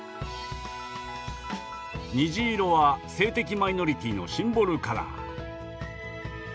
虹色は性的マイノリティーのシンボルカラー。